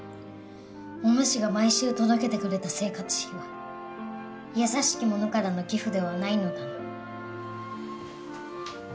おぬしが毎週届けてくれた生活費は「優しき者からの寄付」ではないのだな？